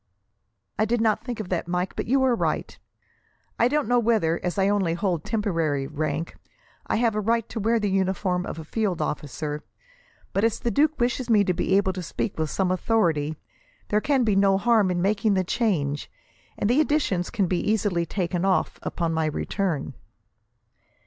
"I did not think of that, Mike; but you are right. I don't know whether, as I only hold temporary rank, I have a right to wear the uniform of a field officer; but, as the duke wishes me to be able to speak with some authority, there can be no harm in making the change, and the additions can easily be taken off, upon my return."